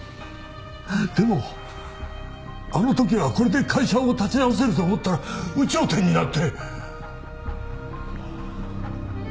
でもあの時はこれで会社を立て直せるって思ったら有頂天になって。